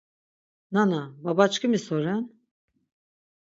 Nana, babaçkimi so ren?